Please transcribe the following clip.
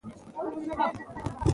موږ باید د پیسو ارزښت وپېژنو.